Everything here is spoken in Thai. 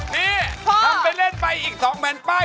นี่ทำไปเล่นไปอีก๒แผ่นป้าย